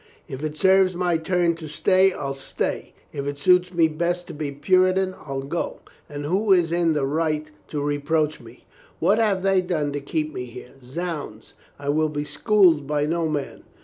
If it serves my turn to stay, I'll stay. If it suits me best to be Puritan, I'll go. And who is in the right to reproach me? What have they done to keep me here? Zounds, I will be schooled by no man."